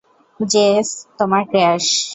JS তোমার crush.